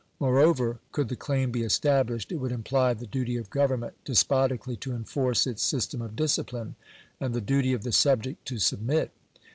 Moreover, could the claim be established, it would imply the duty of government despotically to enforce its system of discipline, and the duty of the subject to submit.